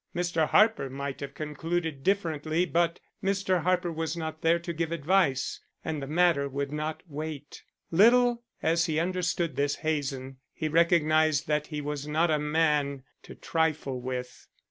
Mr. Harper might have concluded differently, but Mr. Harper was not there to give advice; and the matter would not wait. Little as he understood this Hazen, he recognized that he was not a man to trifle with.